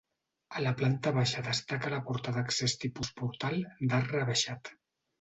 A la planta baixa destaca la porta d'accés tipus portal, d'arc rebaixat.